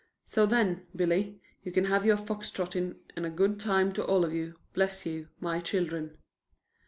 So then, Billy, you can have your fox trotting and a good time to all of you, bless you, my children."